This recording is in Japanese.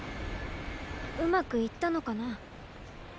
うまくいったのかな？